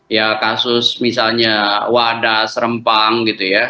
ya kasus misalnya wadah serempang gitu ya